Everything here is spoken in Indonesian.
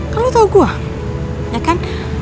kan lo tau gue ya kan